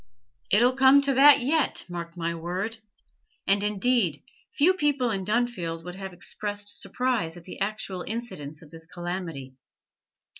It 'll come to that yet, mark my word!' And, indeed, few people in Dunfield would have expressed surprise at the actual incidence of this calamity.